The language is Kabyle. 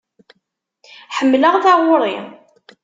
Ḥemmleɣ taɣuri.